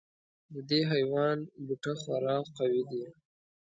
د دې حیوان بوټه خورا قوي دی.